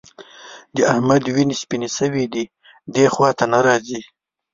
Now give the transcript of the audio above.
د احمد وینې سپيېنې شوې دي؛ دې خوا ته نه راځي.